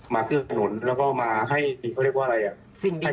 มากดหนุนแล้วก็มาให้คือเรียกว่าอะไรอะ